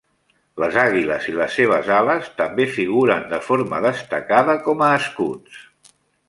Les àguiles i les seves ales també figuren de forma destacada com a escuts.